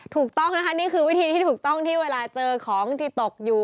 ถูกต้องนะคะนี่คือวิธีที่ถูกต้องที่เวลาเจอของที่ตกอยู่